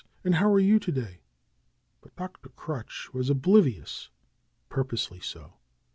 And how are you to day?" But Dr. Crutch was oblivious — purposely so.